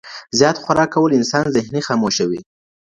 زيات خوراک کول انسان ذهني خاموشوي.